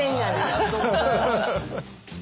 ありがとうございます。